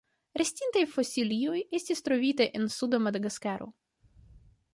Restintaj fosilioj estis trovitaj en suda Madagaskaro.